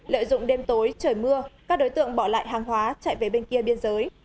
lợi dụng đêm tối trời mưa các đối tượng bỏ lại hàng hóa chạy về bên kia biên giới